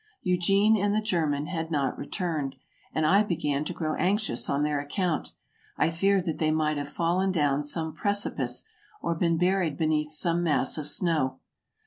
Eugene and the German had not returned, and I began to grow anxious on their account; I feared that they might have fallen down some precipice, or been buried beneath some mass of snow.